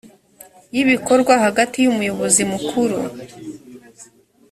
y ibikorwa hagati y umuyobozi mukuru